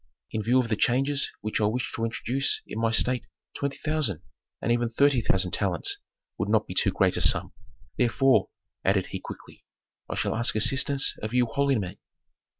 "In view of the changes which I wish to introduce in my state twenty thousand, and even, thirty thousand talents would not be too great a sum; therefore," added he quickly, "I shall ask assistance of you holy men."